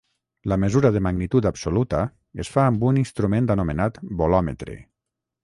La mesura de magnitud absoluta es fa amb un instrument anomenat bolòmetre.